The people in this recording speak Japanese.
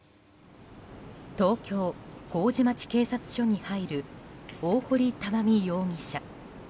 東京・麹町警察署に入る大堀たまみ容疑者。